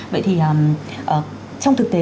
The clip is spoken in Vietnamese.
vậy thì trong thực tế